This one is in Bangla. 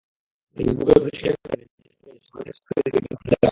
ফেসবুকে প্রতিটি ক্যাফের নিজস্ব পেজ আছে, সেগুলোতে চাকরির বিজ্ঞাপন দেওয়া হয়।